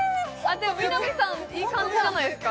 南さんいい感じじゃないですか？